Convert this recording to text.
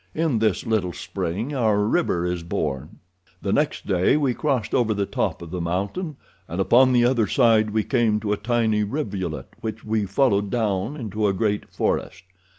In this little spring our river is born. The next day we crossed over the top of the mountain, and upon the other side we came to a tiny rivulet which we followed down into a great forest.